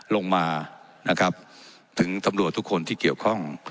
ลงมานะครับถึงตำรวจทุกคนที่เกี่ยวข้อง